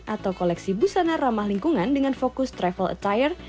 atau koleksi busana ramah lingkungan dengan fokus travel attire